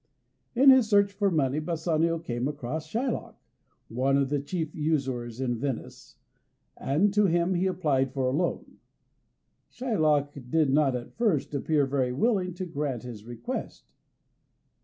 In his search for money Bassanio came across Shylock, one of the chief usurers in Venice, and to him he applied for a loan. Shylock did not at first appear very willing to grant his request.